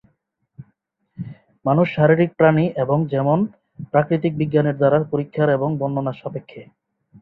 মানুষ শারীরিক প্রাণী এবং যেমন প্রাকৃতিক বিজ্ঞানের দ্বারা পরীক্ষার এবং বর্ণনার সাপেক্ষে।